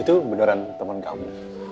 itu beneran temen kamu